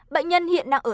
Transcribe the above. bệnh nhân hiện đang ở